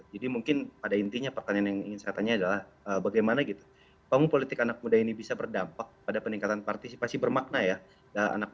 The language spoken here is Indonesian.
jadi mungkin pada intinya pertanyaan yang ingin saya tanya adalah bagaimana panggung politik anak muda ini bisa berdampak pada peningkatan partisipasi bermakna ya